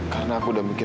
karena aku udah mikir